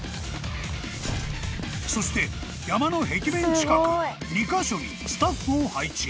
［そして山の壁面近く２カ所にスタッフを配置］